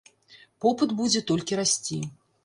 Попыт будзе толькі расці.